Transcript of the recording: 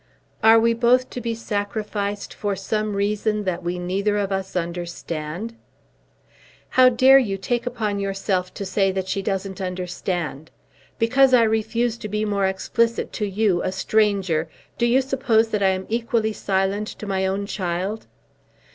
"Are we both to be sacrificed for some reason that we neither of us understand?" "How dare you take upon yourself to say that she doesn't understand! Because I refuse to be more explicit to you, a stranger, do you suppose that I am equally silent to my own child?"